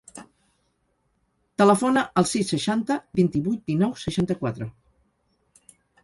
Telefona al sis, seixanta, vint-i-vuit, dinou, seixanta-quatre.